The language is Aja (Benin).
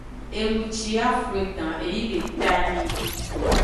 Enu ci yi a flu edan, e yi le eta nii.